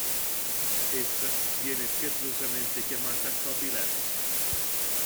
Essa viene scherzosamente chiamata copyleft.